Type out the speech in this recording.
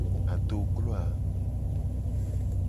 Adoglo a.